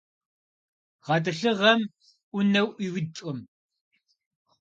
ГъэтӀылъыгъэм Ӏунэ Ӏуиудкъым.